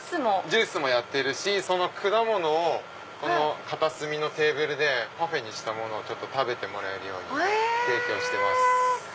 ジュースもやってるし果物を片隅のテーブルでパフェにしたものを食べてもらえるようにしてます。